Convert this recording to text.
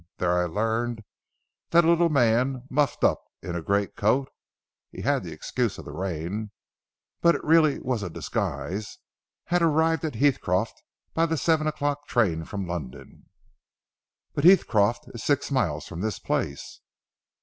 There I learned that a little man muffled up in a great coat (he had the excuse of the rain, but it really was a disguise) had arrived at Heathcroft by the seven o'clock train from London." "But Heathcroft is six miles from this place."